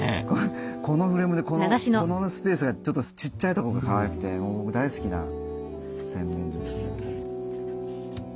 このフレームでこのスペースがちょっとちっちゃいとこがかわいくて大好きな洗面所ですね。